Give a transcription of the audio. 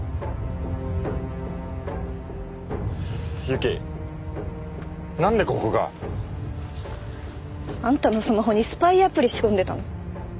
由季なんでここが？あんたのスマホにスパイアプリ仕込んでたの。